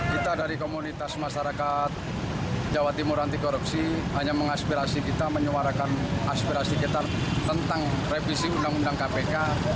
kita dari komunitas masyarakat jawa timur anti korupsi hanya mengaspirasi kita menyuarakan aspirasi kita tentang revisi undang undang kpk